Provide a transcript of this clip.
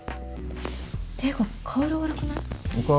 っていうか顔色悪くない？